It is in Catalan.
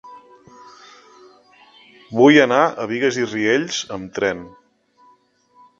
Vull anar a Bigues i Riells amb tren.